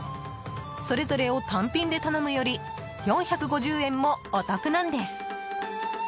それぞれを単品で頼むより４５０円もお得なんです。